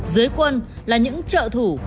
dưới quân là những trợ thủ